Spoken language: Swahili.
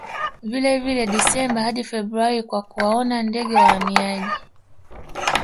Vilevile Desemba hadi Februari kwa kuwaona ndege wahamiaji